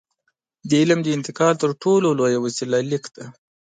د علم د انتقال تر ټولو لویه وسیله لیک ده.